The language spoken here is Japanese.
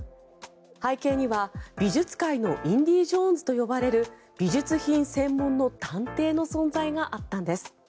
背景には美術界のインディ・ジョーンズと呼ばれる美術品専門の探偵の存在があったんです。